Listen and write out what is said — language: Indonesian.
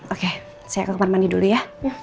oke saya ke kamar mandi dulu ya